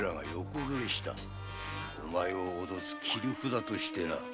お前を脅す切り札としてな。